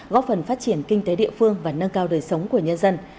góp phần phát triển kinh tế địa phương và nâng cao đời sống của nhân dân